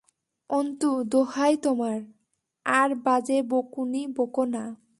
অন্তু, দোহাই তোমার, আর বাজে বকুনি বকো না!